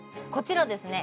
こちらですね